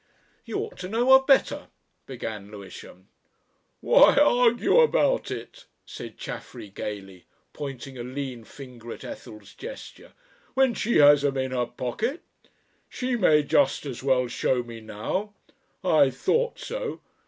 "You ought to know her better " began Lewisham. "Why argue about it," said Chaffery gaily, pointing a lean finger at Ethel's gesture, "when she has 'em in her pocket? She may just as well show me now. I thought so.